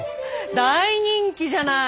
大人気じゃない。